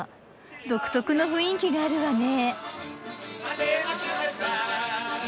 独特の雰囲気があるわね。